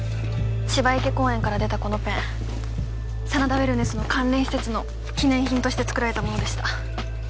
芝池公園から出たこのペン真田ウェルネスの関連施設の記念品として作られたものでした